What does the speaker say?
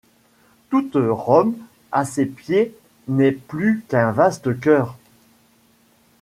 Toute Rome à ses pieds n’est plus qu’un vaste choeur ;